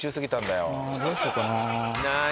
どうしようかな。